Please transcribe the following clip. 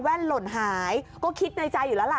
หล่นหายก็คิดในใจอยู่แล้วล่ะ